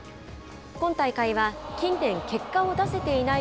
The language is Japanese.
今大会は、近年、結果を出せていない